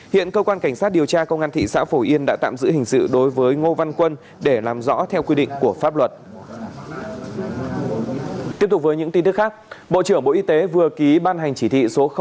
hiện cơ quan cảnh sát điều tra công an thị xã phổ yên đã tạm giữ hình sự đối với ngô văn quân để làm rõ theo quy định của pháp luật